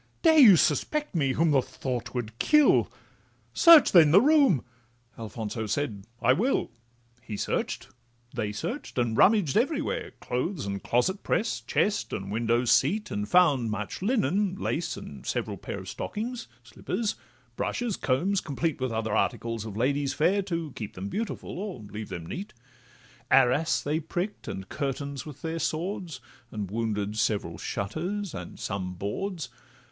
Dare you suspect me, whom the thought would kill? Search, then, the room!'—Alfonso said, 'I will.' He search'd, they search'd, and rummaged everywhere, Closet and clothes' press, chest and window seat, And found much linen, lace, and several pair Of stockings, slippers, brushes, combs, complete, With other articles of ladies fair, To keep them beautiful, or leave them neat: Arras they prick'd and curtains with their swords, And wounded several shutters, and some boards.